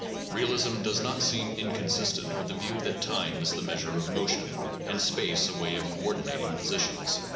Realism does not seem inconsistent with the view that time is the measure of motion, and space a way of coordinating positions.